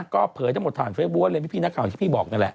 ก็เผยทั้งหมดผ่านเฟซบุ๊คเลยพี่นักข่าวอย่างที่พี่บอกนั่นแหละ